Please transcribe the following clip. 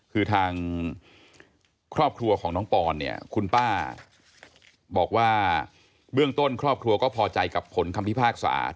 คือทางครอบครัวของน้องปอนเนี่ยคุณป้าบอกว่าเบื้องต้นครอบครัวก็พอใจกับผลคำพิพากษา